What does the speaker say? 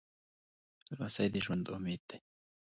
لمسی د ژوند امید دی.